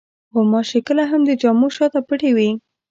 غوماشې کله هم د جامو شاته پټې وي.